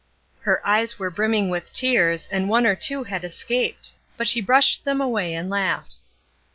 Her eyes were brimming with tears, and one or two had escaped ; but she brushed them away and laughed.